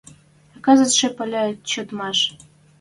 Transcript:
А кӹзӹтшӹ пӓлӹ чотымаш;